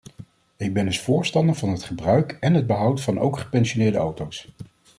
Ik ben dus voorstander van het gebruik en het behoud van ook gepensioneerde auto's.